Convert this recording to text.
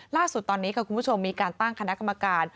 ลักษุตอนนี้คุณผู้ชมมีการตั้งขณะกรรมการ